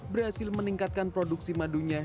berhasil meningkatkan produksi madunya